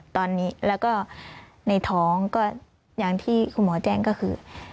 ตอนนี้ในท้องอย่างที่คุณหมอแจ้งก็คือ